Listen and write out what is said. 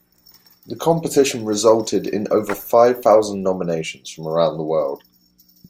The competition resulted in over five thousand nominations from around the world.